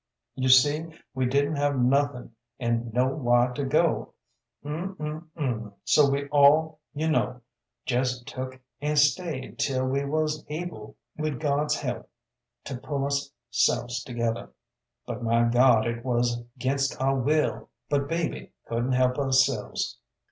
You see, we didn't have nuthin' an' no whar to go, um, um, um so we all, you know, jes took en stayed 'til we wuz able wid God's help to pull us selves together. But my God it wuz 'ginst our will, but, baby, couldn't help ourselves.